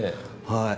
はい。